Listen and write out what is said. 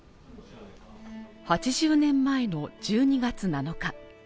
８０年前の１２月７日